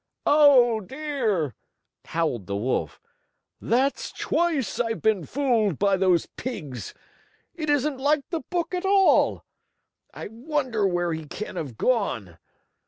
"Oh, dear!" howled the wolf. "That's twice I've been fooled by those pigs! It isn't like the book at all. I wonder where he can have gone?"